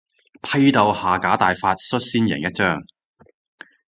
批鬥下架大法率先贏一仗